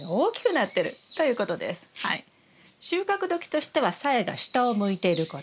収穫時としてはさやが下を向いていること。